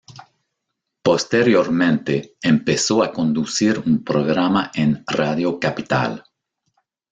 Posteriormente empezó a conducir un programa en Radio Capital.